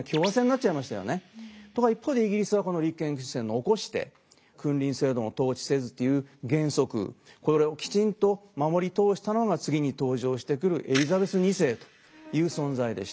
ところが一方でイギリスは立憲君主制残して「君臨すれども統治せず」っていう原則これをきちんと守り通したのが次に登場してくるエリザベス２世という存在でして。